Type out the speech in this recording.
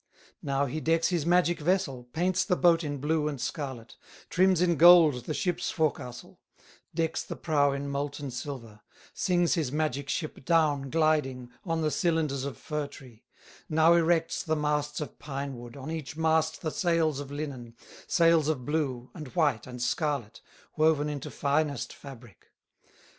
Now he decks his magic vessel, Paints the boat in blue and scarlet, Trims in gold the ship's forecastle, Decks the prow in molten silver; Sings his magic ship down gliding, On the cylinders of fir tree; Now erects the masts of pine wood, On each mast the sails of linen, Sails of blue, and white, and scarlet, Woven into finest fabric.